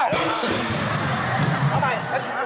ระบาย